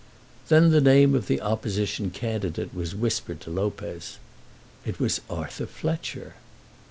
Then the name of the opposition candidate was whispered to Lopez. It was Arthur Fletcher!